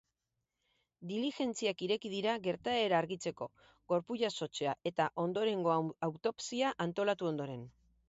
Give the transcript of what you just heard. Diligentziak ireki dira gertaera argitzeko gorpu-jasotzea eta ondorengo autopsia antolatu ondoren.